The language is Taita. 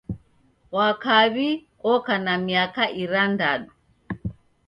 Wa kaw'i oka na miaka irandadu.